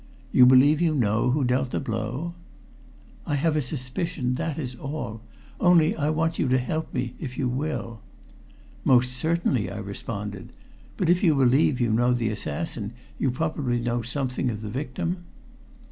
"You believe you know who dealt the blow?" "I have a suspicion that is all. Only I want you to help me, if you will." "Most certainly," I responded. "But if you believe you know the assassin you probably know something of the victim?"